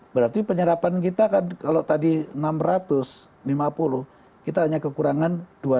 berarti penyerapan kita kan kalau tadi enam ratus lima puluh kita hanya kekurangan dua ratus